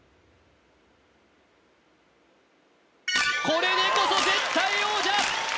これでこそ絶対王者！